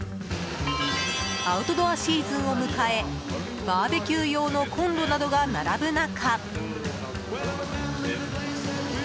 アウトドアシーズンを迎えバーベキュー用のコンロなどが並ぶ中。